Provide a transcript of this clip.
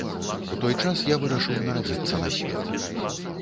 У той час я вырашыў нарадзіцца на свет.